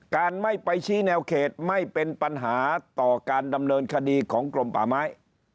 การไม่ไปชี้แนวเขตไม่เป็นปัญหาต่อการดำเนินคดีของกรมป่าไม้